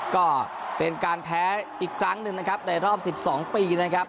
ก็เป็นการแพ้อีกครั้งหนึ่งนะครับในรอบ๑๒ปีนะครับ